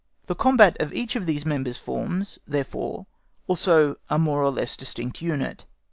The combat of each of these members forms, therefore, also a more or less distinct unit.